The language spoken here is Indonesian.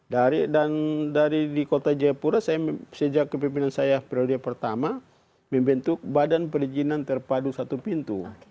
dari dan dari di kota jayapura saya sejak kepimpinan saya prioritas pertama membentuk badan perizinan terpadu satu pintu